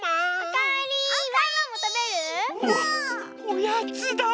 おやつだ！